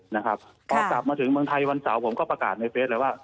นะครับพอกลับมาถึงเมืองไทยวันเสาร์ผมก็ประกาศในเฟสเลยว่า